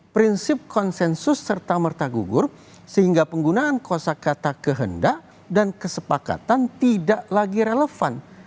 prinsip konsensus serta merta gugur sehingga penggunaan kosa kata kehendak dan kesepakatan tidak lagi relevan